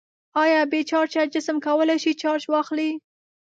آیا بې چارجه جسم کولی شي چارج واخلي؟